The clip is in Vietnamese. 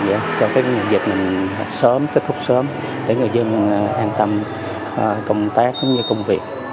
để cho dịch này kết thúc sớm để người dân an tâm công tác công việc